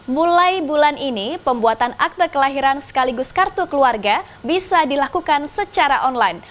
mulai bulan ini pembuatan akte kelahiran sekaligus kartu keluarga bisa dilakukan secara online